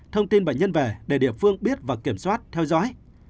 thông tin bệnh nhân về để địa phương biết và kiểm soát theo dõi